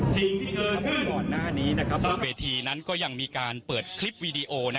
สิ่งที่เกิดขึ้นเผื่อเวที๙๑๑ก็ยังมีการเปิดคลิปวิดีโอ